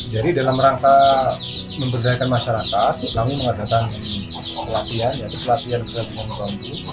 jadi dalam rangka memberdayakan masyarakat kami mengadakan pelatihan pelatihan kerajinan bambu